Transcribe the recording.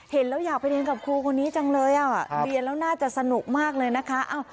เห็นแล้วอยากไปเรียนกับครูคนนี้จังเลยอ่ะเรียนแล้วน่าจะสนุกมากเลยนะคะ